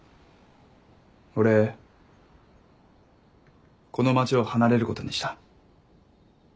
俺この街を離れることにした。